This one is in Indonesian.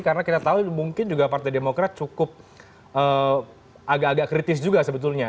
karena kita tahu mungkin juga partai demokrat cukup agak agak kritis juga sebetulnya